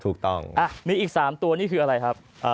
ถูกต้องมีอีก๓ตัวนี่คืออะไรครับ